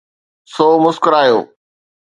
سو مسڪرايو.